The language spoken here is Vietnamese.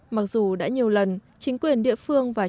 mặc dù đã nhiều lần chính quyền địa phương và